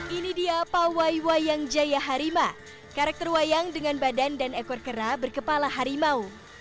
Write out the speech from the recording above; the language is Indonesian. ini dia pawai wayang jaya harima karakter wayang dengan badan dan ekor kera berkepala harimau